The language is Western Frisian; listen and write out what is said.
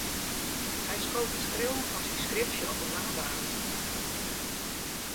Hy skoot it skriuwen fan syn skripsje op 'e lange baan.